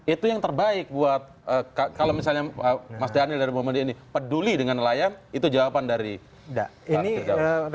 itu yang terbaik buat kalau misalnya mas daniel dari muhammadiya ini peduli dengan nelayan itu jawaban dari pak firdaus